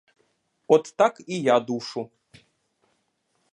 От так і я душу.